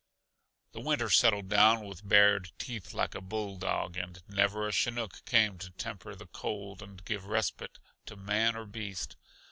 The winter settled down with bared teeth like a bull dog, and never a chinook came to temper the cold and give respite to man or beast.